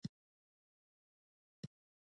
ایا خدای دې ستاسو علم زیات کړي؟